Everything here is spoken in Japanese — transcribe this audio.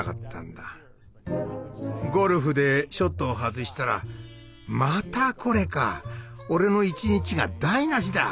ゴルフでショットを外したら「またこれか。俺の一日が台なしだ！